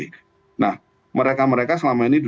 nah mereka mereka selama ini mereka berada di dalam kualitas kinerja